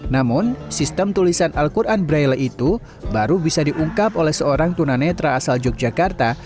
namun sistem tulisan al quran braille itu baru bisa diungkap oleh seorang tunanetra asal yogyakarta